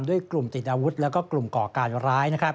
ด้วยกลุ่มติดอาวุธและกลุ่มก่อการร้าย